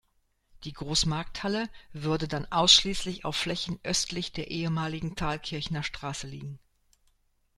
Die Großmarkthalle würde dann ausschließlich auf Flächen östlich der ehemaligen Thalkirchner Straße liegen.